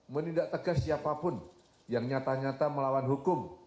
menindak tegas siapapun yang nyata nyata melawan hukum